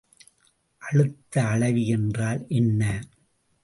அழுத்த அளவி என்றால் என்ன?